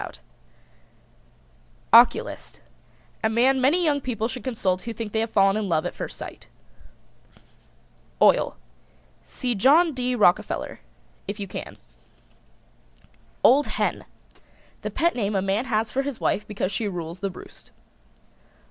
OCULIST. A man many young people should consult who think they have fallen in love at first sight. OIL. See John D. Rockerfeller if you can. OLD HEN. The pet name a man has for his wife because she rules the roost.